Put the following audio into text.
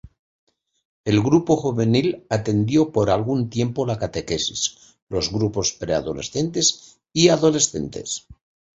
El grupo juvenil atendió por algún tiempo la catequesis, los grupos pre-adolescentes y adolescentes.